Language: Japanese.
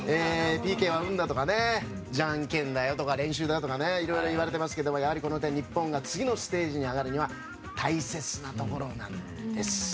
ＰＫは運だとかじゃんけんだよとか練習だよとかいろいろ言われていますけどやはりこの点、日本が次のステージに上がるには大切なところなんです。